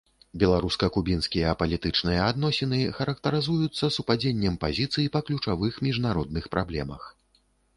Беларуска-кубінскія палітычныя адносіны характарызуюцца супадзеннем пазіцый па ключавых міжнародных праблемах.